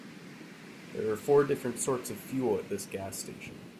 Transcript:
There are four different sorts of fuel at this gas station.